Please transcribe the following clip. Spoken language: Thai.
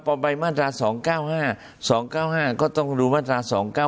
พอไปมาตรา๒๙๕๒๙๕ก็ต้องดูมาตรา๒๙